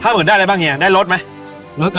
หมื่นได้อะไรบ้างเฮียได้รถไหม